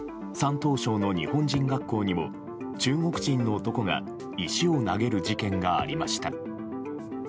東省の日本人学校にも中国人の男が石を投げる事件がありました。